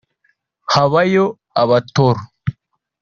habayo Abatoro